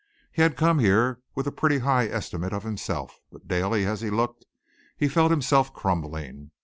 He had come here with a pretty high estimate of himself, but daily, as he looked, he felt himself crumbling.